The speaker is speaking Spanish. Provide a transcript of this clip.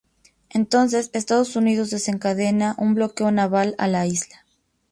Entonces, Estados Unidos desencadena un bloqueo naval a la isla.